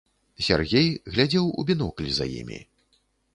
Сяргей глядзеў у бінокль за імі.